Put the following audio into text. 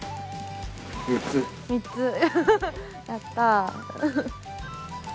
３つ。